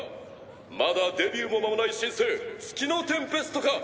まだデビューも間もない新星月のテンペストか！？